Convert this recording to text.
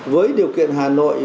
với điều kiện hà nội